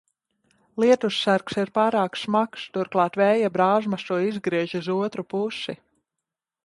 Lietussargs ir pārāk smags, turklāt vēja brāzmas to izgriež uz otru pusi.